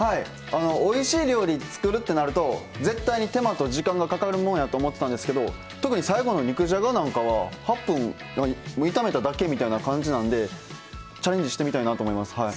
おいしい料理作るってなると絶対に手間と時間がかかるもんやと思ってたんですけど特に最後の肉じゃがなんかは８分炒めただけみたいな感じなんでチャレンジしてみたいなと思います。